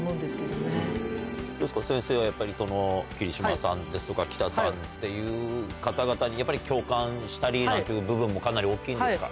どうですか、やっぱり先生は桐島さんですとか、北さんっていう方々に、やっぱり共感したりなんていう部分もかなり大きいですか？